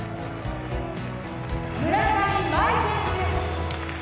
「村上茉愛選手」。